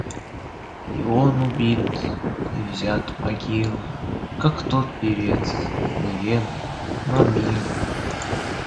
И он убит — и взят могилой, Как тот певец, неведомый, но милый